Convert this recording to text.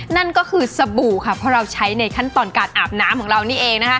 นั่นก็คือสบู่ค่ะเพราะเราใช้ในขั้นตอนการอาบน้ำของเรานี่เองนะคะ